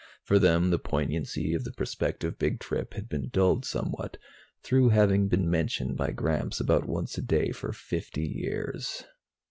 For them, the poignancy of the prospective Big Trip had been dulled somewhat, through having been mentioned by Gramps about once a day for fifty years.